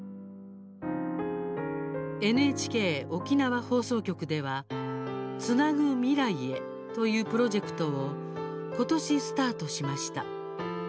ＮＨＫ沖縄放送局では「つなぐ未来へ」というプロジェクトをことし、スタートしました。